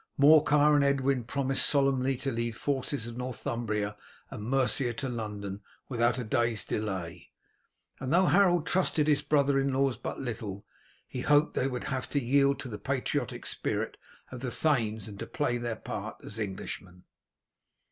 Morcar and Edwin promised solemnly to lead the forces of Northumbria and Mercia to London without a day's delay, and though Harold trusted his brothers in law but little, he hoped they would have to yield to the patriotic spirit of the thanes and to play their part as Englishmen.